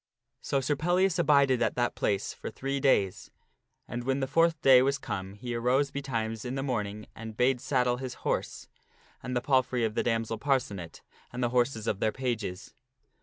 So Sir Pellias abided at that place for three days. And when the fourth day was come he arose betimes in the morning and bade saddle his horse, and the palfrey of the damsel Parcenet, and the horses of their pages.